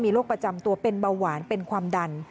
โรคประจำตัวเป็นเบาหวานเป็นความดัน